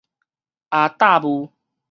阿罩霧